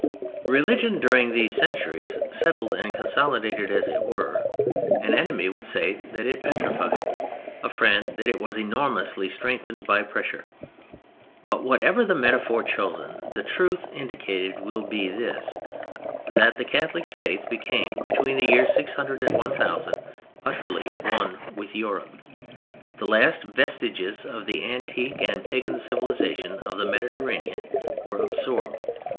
Religion during these centuries settled and consolidated, as it were. An enemy would say that it petrified, a friend that it was enormously strengthened by pressure. But whatever the metaphor chosen, the truth indicated will be this: that the Catholic Faith became between the years 600 and 1000 utterly one with Europe. The last vestiges of the antique and Pagan civilization of the Mediterranean were absorbed.